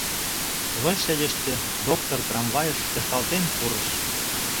Площадьыште доктор трамвайыш тӧршталтен пурыш.